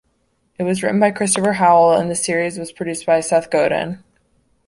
It was written by Christopher Howell, and the series was produced by Seth Godin.